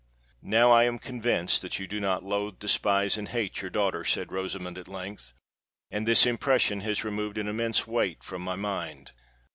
"Now I am convinced that you do not loathe, despise, and hate your daughter," said Rosamond at length; "and this impression has removed an immense weight from my mind.